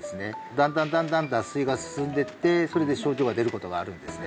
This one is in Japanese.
だんだんだんだん脱水が進んでってそれで症状が出ることがあるんですね